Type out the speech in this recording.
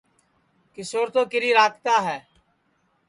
کیشور تو کیری راکھتا ہے